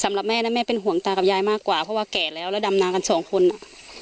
สำหรับแม่นะแม่เป็นห่วงตากับยายมากกว่าเพราะว่าแก่แล้วแล้วดำนากันสองคนอ่ะ